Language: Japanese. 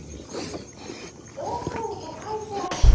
オープンって書いてある。